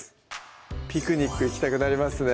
ピクニック行きたくなりますね